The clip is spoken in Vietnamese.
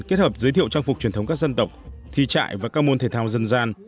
kết hợp giới thiệu trang phục truyền thống các dân tộc thi trại và các môn thể thao dân gian